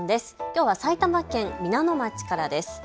きょうは埼玉県皆野町からです。